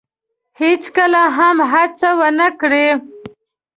هیڅکله هم هڅه ونه کړی